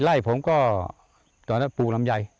๔ไร่ผมก็ตอนนั้นปลูกน้ำย้าย